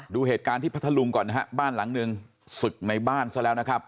ดูเหตุการณ์ที่พัทธลุงก่อนนะฮะบ้านหลังหนึ่งศึกในบ้านซะแล้วนะครับ